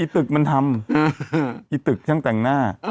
ตึกมันทำอีตึกช่างแต่งหน้า